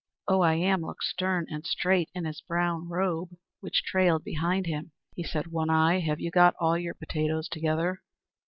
Oh I Am looked stern and straight in his brown robe which trailed behind him. He said: "One Eye, have you got all your potatoes together?"